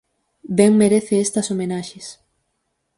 Ben merece estas homenaxes.